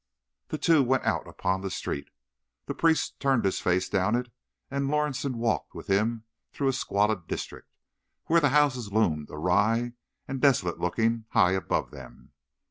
The two went out upon the street. The priest turned his face down it, and Lorison walked with him through a squalid district, where the houses loomed, awry and desolate looking, high above them.